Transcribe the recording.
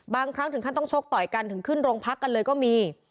บางครั้งถึงขั้นต้องชกต่อยกันถึงขึ้นโรงพักกันเลยก็มี